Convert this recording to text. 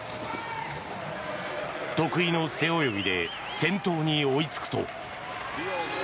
得意の背泳ぎで先頭に追いつくと。